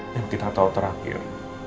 yang kita tahu terakhir